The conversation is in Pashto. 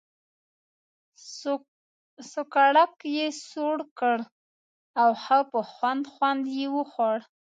سوکړک یې سوړ کړ او ښه په خوند خوند یې وخوړ.